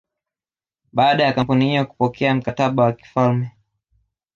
Baada ya kampuni hiyo kupokea mkataba wa kifalme